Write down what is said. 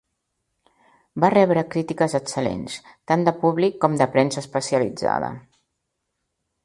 Va rebre crítiques excel·lents, tant de públic com de premsa especialitzada.